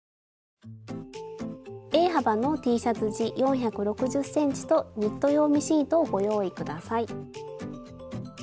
Ａ幅のＴシャツ地４６０ｃｍとニット用ミシン糸をご用意下さい。